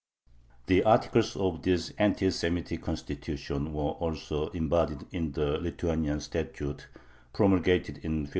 The articles of this anti Semitic "constitution" were also embodied in the "Lithuanian Statute" promulgated in 1566.